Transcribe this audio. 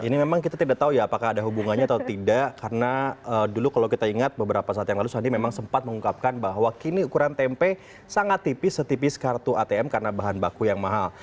ini memang kita tidak tahu ya apakah ada hubungannya atau tidak karena dulu kalau kita ingat beberapa saat yang lalu sandi memang sempat mengungkapkan bahwa kini ukuran tempe sangat tipis setipis kartu atm karena bahan baku yang mahal